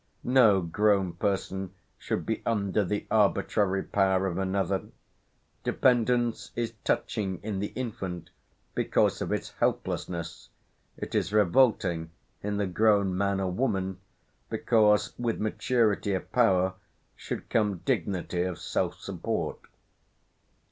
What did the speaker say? No grown person should be under the arbitrary power of another; dependence is touching in the infant because of its helplessness; it is revolting in the grown man or woman because with maturity of power should come dignity of self support.